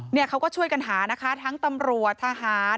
เขาก็ช่วยกันหานะคะทั้งตำรวจทหาร